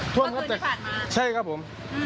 ทั่วหมดครับใช่ครับผม